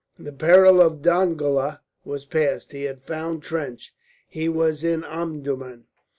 The peril of Dongola was past, he had found Trench, he was in Omdurman.